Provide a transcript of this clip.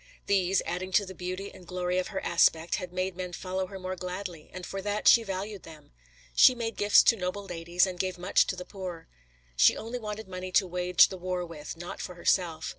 These, adding to the beauty and glory of her aspect, had made men follow her more gladly, and for that she valued them. She made gifts to noble ladies, and gave much to the poor. She only wanted money to wage the war with, not for herself.